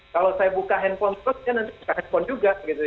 kalau saya buka handphone terus dia nanti buka handphone juga gitu